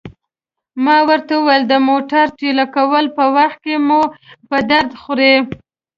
ما ورته وویل: د موټر ټېله کولو په وخت کې مو په درد خوري.